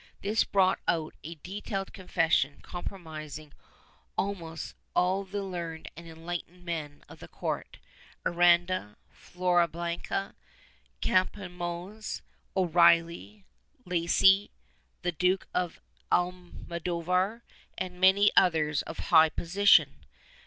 This brought out a detailed confession compromising almost all the learned and enlightened men of the court — Aranda, Floridablanca, Campomanes, O'Reilly, Lacy, the Duke of Almodovar and many others of high position.